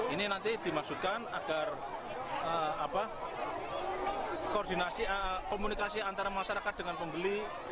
ini nanti dimaksudkan agar komunikasi antara masyarakat dengan pembeli dan panitia ini juga terkatal